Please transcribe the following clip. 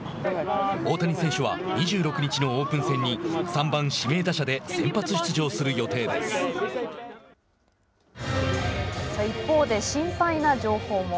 大谷選手は２６日のオープン戦に３番、指名打者で一方で心配な情報も。